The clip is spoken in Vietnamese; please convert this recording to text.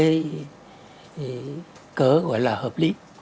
thì cớ gọi là hợp lý